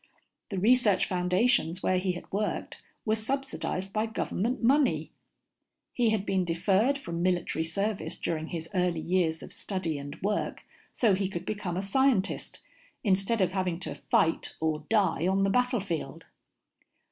The research foundations where he had worked were subsidized by government money. He had been deferred from military service during his early years of study and work so he could become a scientist, instead of having to fight or die on the battlefield.